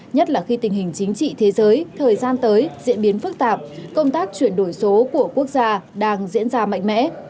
nhất là khi tình hình chính trị thế giới thời gian tới diễn biến phức tạp công tác chuyển đổi số của quốc gia đang diễn ra mạnh mẽ